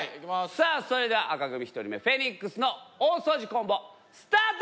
さあそれでは紅組１人目フェニックスの大そうじコンボスタート！